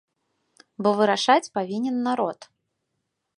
Бо вырашаць павінен народ.